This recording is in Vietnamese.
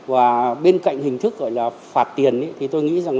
và bên cạnh hình thức gọi là phạt tiền thì tôi nghĩ là cũng cần phải có những hình thức giáo dục